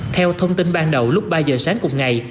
theo thông tin ban đầu lúc ba giờ sáng cùng ngày